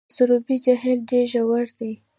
د سروبي جهیل ډیر ژور دی